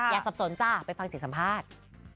สับสนจ้ะไปฟังเสียงสัมภาษณ์